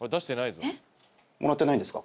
もらってないんですか？